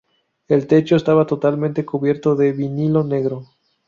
El techo estaba totalmente cubierto de vinilo negro.